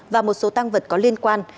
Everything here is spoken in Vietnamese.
và một số tăng vật có liên quan